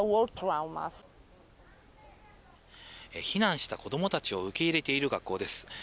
避難した子供たちを受け入れている学校です。